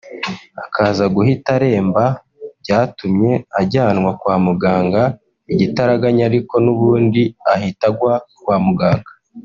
akaza guhita aremba byatumye ajyanwa kwa muganga igitaraganya ariko n’ubundi ahita agwa kwa muganga